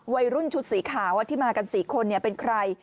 วัยรุ่นชุดสีขาวที่มากัน๔คนเป็นใคร